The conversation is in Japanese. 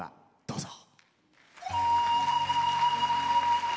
どうぞ。